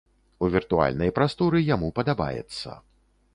У віртуальнай прасторы яму падабаецца.